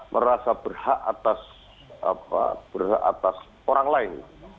merasa berhak atas orang lain